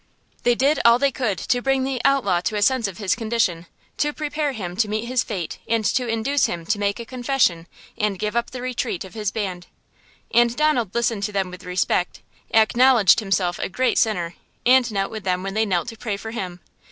They did all they could to bring the outlaw to a sense of his condition, to prepare him to meet his fate and to induce him to make a confession and give up the retreat of his band. And Donald listened to them with respect, acknowledged himself a great sinner, and knelt with them when they knelt to pray for him.